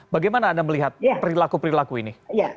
bagaimana anda melihat perilaku perilaku ini